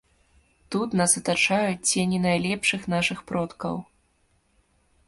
Тут нас атачаюць цені найлепшых нашых продкаў.